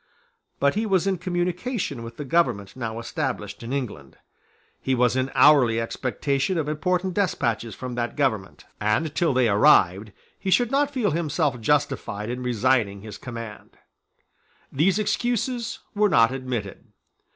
But he was in communication with the government now established in England. He was in hourly expectation of important despatches from that government; and, till they arrived, he should not feel himself justified in resigning his command. These excuses were not admitted.